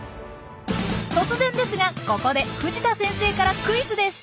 突然ですがここで藤田先生からクイズです。